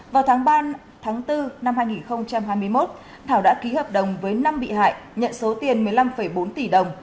vào tháng ba tháng bốn năm hai nghìn hai mươi một thảo đã ký hợp đồng với năm bị hại nhận số tiền một mươi năm bốn tỷ đồng